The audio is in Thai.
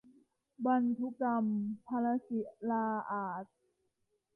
บัณฑุกัมพลศิลาอาสน์